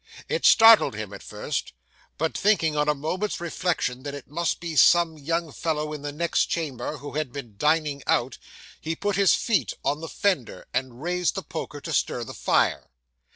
It startled him at first, but thinking, on a moment's reflection, that it must be some young fellow in the next chamber, who had been dining out, he put his feet on the fender, and raised the poker to stir the fire.